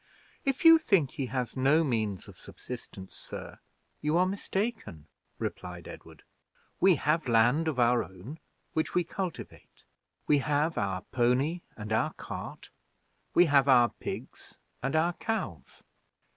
"If you think he has no means of subsistence, sir, you are mistaken," replied Edward. "We have land of our own, which we cultivate; we have our pony and our cart; we have our pigs and our cows."